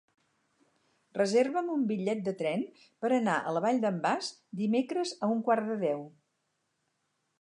Reserva'm un bitllet de tren per anar a la Vall d'en Bas dimecres a un quart de deu.